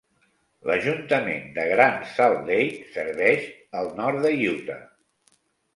L'ajuntament de Gran Salt Lake serveix el nord de Utah.